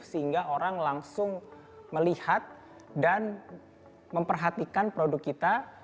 sehingga orang langsung melihat dan memperhatikan produk kita